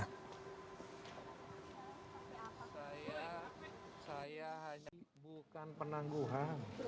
saya saya haji bukan penangguhan